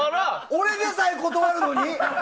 俺でさえ断るのに？